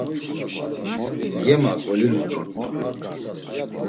Yema golilu dort̆u.